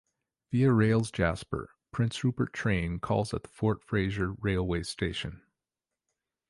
Via Rail's Jasper - Prince Rupert train calls at the Fort Fraser railway station.